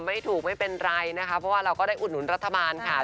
ไม่ถูกไม่เป็นไรนะคะเพราะว่าเราก็ได้อุดหนุนรัฐบาลค่ะ